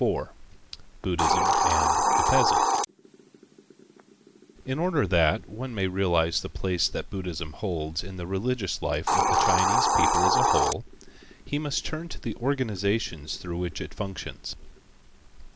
IV BUDDHISM AND THE PEASANT In order that, one may realize the place that Buddhism holds in the religious life of the Chinese people as a whole, he must turn to the organizations through which it functions.